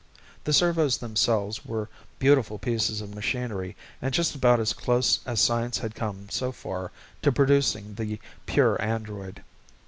The servos themselves were beautiful pieces of machinery and just about as close as science had come so far to producing the pure android.